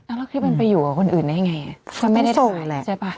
เอาแล้วคลิปนั้นไปอยู่กับคนอื่นเนี่ยไง